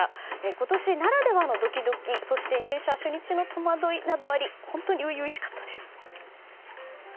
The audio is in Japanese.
今年ならではのドキドキそして入社初日の戸惑いもあり本当に初々しかったです。